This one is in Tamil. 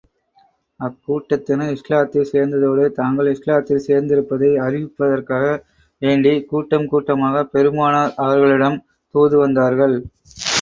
அக்கூட்டத்தினர் இஸ்லாத்தில் சேர்ந்ததோடு, தாங்கள் இஸ்லாத்தில் சேர்ந்திருப்பதை அறிவிப்பதற்காக வேண்டிக் கூட்டம் கூட்டமாகப் பெருமானார் அவர்களிடம் தூது வந்தார்கள்.